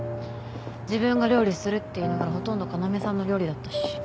自分が料理するって言いながらほとんど要さんの料理だったし。